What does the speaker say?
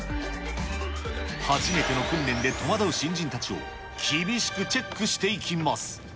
初めての訓練で戸惑う新人たちを厳しくチェックしていきます。